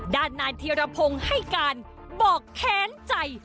ด้านนายธีรพงศ์ให้การบอกแค้นใจ